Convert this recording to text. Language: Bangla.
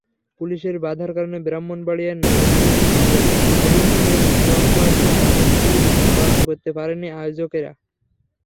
পুলিশের বাধার কারণে ব্রাহ্মণবাড়িয়ার নাসিরনগর অভিমুখে লংমার্চ কর্মসূচি পালন করতে পারেননি আয়োজকেরা।